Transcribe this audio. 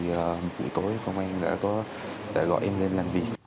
một buổi tối công an đã gọi em lên là